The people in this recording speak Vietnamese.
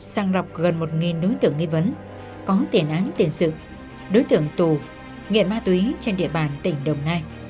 sang lọc gần một đối tượng nghi vấn có tiền án tiền sự đối tượng tù nghiện ma túy trên địa bàn tỉnh đồng nai